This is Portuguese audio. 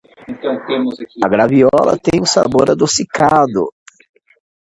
A graviola tem um sabor adocicado.